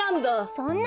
そんな！